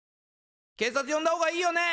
警察呼んだほうがいいよね？